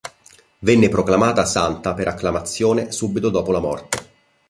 Venne proclamata santa per acclamazione subito dopo la morte.